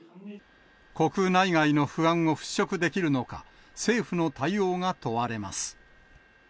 国内外の不安を払拭できるのか、政府の対応が問われます。